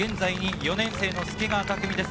４年生の助川拓海です。